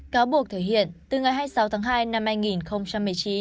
cáo buộc thể hiện từ ngày hai mươi sáu tháng hai năm hai nghìn một mươi chín